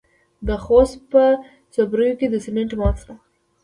د خوست په صبریو کې د سمنټو مواد شته.